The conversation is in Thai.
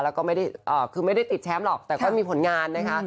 แล้วก็ไม่ได้คือไม่ได้ติดแชมป์หรอกแต่ก็มีผลงานนะคะ